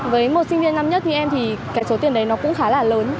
với một sinh viên năm nhất như em thì cái số tiền đấy nó cũng khá là lớn